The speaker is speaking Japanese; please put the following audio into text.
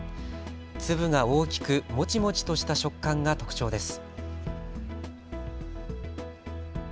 粒が大きく、もちもちとした食感が特徴です。